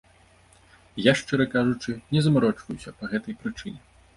Я, шчыра кажучы, не замарочваюся па гэтай прычыне.